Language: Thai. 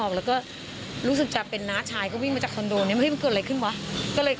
ปรากฏว่าคนชายก็เลยอุ้มเด็กออกมาเด็กเลือดตรงนี้เต็มเลย